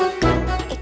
bocah ngapasih ya